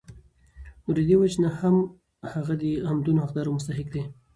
نو د دي وجي نه هم هغه د حمدونو حقدار او مستحق دی